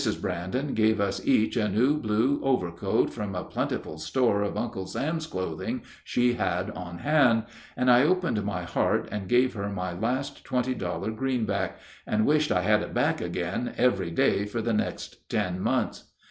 Brandon gave us each a new blue overcoat from a plentiful store of Uncle Sam's clothing she had on hand, and I opened my heart and gave her my last twenty dollar greenback and wished I had it back again every day for the next ten months.